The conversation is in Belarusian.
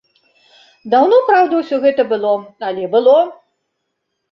Даўно, праўда, усё гэта было, але было!